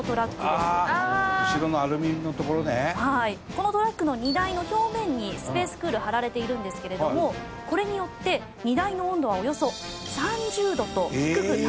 このトラックの荷台の表面にＳＰＡＣＥＣＯＯＬ貼られているんですけれどもこれによって荷台の温度はおよそ３０度と低く保たれています。